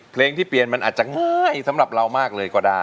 เพลงที่เปลี่ยนมันอาจจะง่ายสำหรับเรามากเลยก็ได้